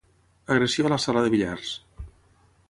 Agressió a la sala de billars.